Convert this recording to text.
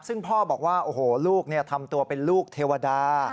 ซึ่งพ่อบอกว่าโอ้โหลูกทำตัวเป็นลูกเทวดา